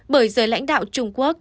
bởi giới lãnh đạo trung quốc